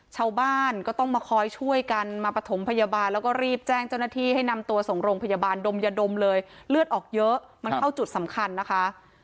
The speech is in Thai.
ชาวบ้านก็ต้องมาคอยช่วยกันมาประถมพยาบาลแล้วก็รีบแจ้งเจ้าหน้าที่ให้นำตัวส่งโรงพยาบาลดมยาดมเลยเลือดออกเยอะมันเข้าจุดสำคัญนะคะ